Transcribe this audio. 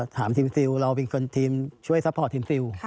ถามทีมซิลเราเป็นคนทีมช่วยซัพพอร์ตทีมซิล